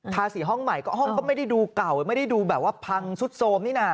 ทาสีห้องใหม่ก็ห้องก็ไม่ได้ดูเก่าไม่ได้ดูแบบว่าพังสุดโสมนี่นะ